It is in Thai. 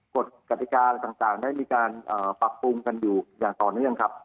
กฎกติกาอะไรต่างได้มีการปรับปรุงกันอยู่อย่างต่อเนื่องครับ